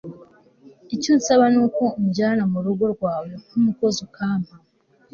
icyo nsaba ni uko unjyana mu rugo rwawe, nk'umukozi, ukampa